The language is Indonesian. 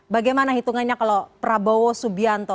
bagaimana hitungannya kalau prabowo subianto